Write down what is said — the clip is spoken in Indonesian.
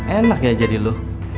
enak ya jadi lo